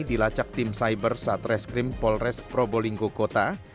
dilacak tim cyber satreskrim polres probolinggo kota